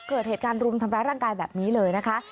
เกิดเหตุการณ์รุมทำร้ายร่างกายแบบนี้เลยนะคะ